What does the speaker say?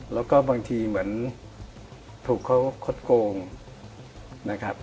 แล้วก็บางทีเหมือนถูกเขาคดโกงนะครับ